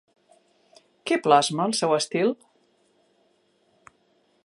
Què plasma el seu estil?